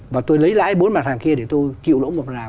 và tôi lấy lại bốn mặt hàng kia để tôi chiêu lỗ một mặt hàng